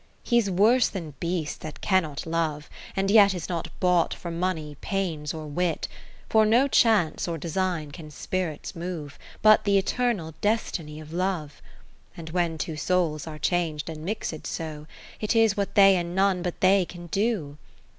20 He 's worse than beast that cannot love, and yet It is not bought for money, pains or wit ; For no chance or design can spirits move, But the eternal destiny of Love : And when two souls are chang'd and mixed so, It is what they and none but they can do.